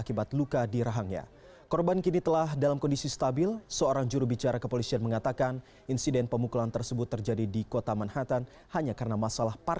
kedua jenazah yang diangkat ke permukaan setelah seorang petugas turun ke dalam sumur